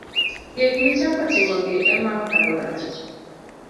Gik michako timogi ema ok adwar.